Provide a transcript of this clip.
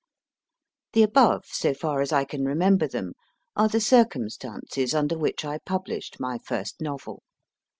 The above, so far as I can remember them, are the cir cumstances under which I published my first novel.